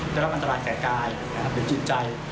จะรับอันตรายแก่กายเป็นจิตใจ